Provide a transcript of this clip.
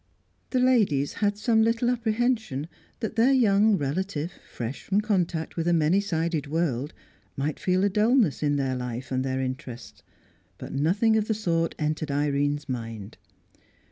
The ladies had some little apprehension that their young relative, fresh from contact with a many sided world, might feel a dulness in their life and their interests; but nothing of the sort entered Irene's mind.